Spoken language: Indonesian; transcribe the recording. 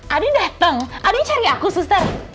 adi dateng adi cari aku suster